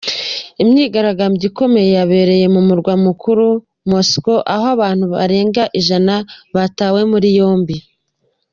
Imyigaragambyo ikomeye yabereye mu murwa mukuru Moscow aho abantu barenga ijana batawe muri yombi.